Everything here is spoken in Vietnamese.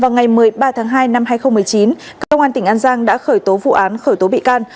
vào ngày một mươi ba tháng hai năm hai nghìn một mươi chín công an tỉnh an giang đã khởi tố vụ án khởi tố bị can